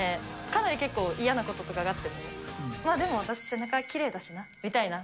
かなり結構、嫌なこととかがあっても、でも私、背中きれいだしなみたいな。